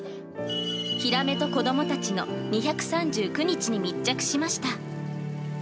ヒラメと子どもたちの２３９日に密着しました。